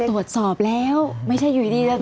ตรวจสอบแล้วไม่ใช่อยู่ดีแล้ว